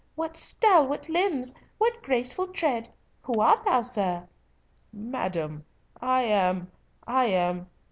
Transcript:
What stalwart limbs, what graceful tread! Who art thou, sir?" "Madam, I am—I am.